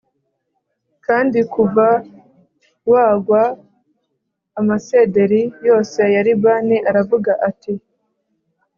kandi kuva wagwa, amasederi yose ya Libani aravuga ati